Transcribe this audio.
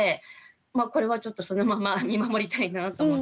まあこれはちょっとそのまま見守りたいなと思って。